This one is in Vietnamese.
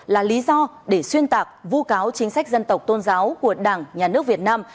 là lý do để xuyên tạc vu cáo chính sách dân tộc tôn giáo của đảng nhà nước việt nam